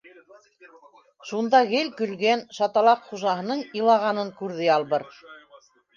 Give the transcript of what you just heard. Шунда гел көлгән шаталаҡ хужаһының илағанын күрҙе Ялбыр.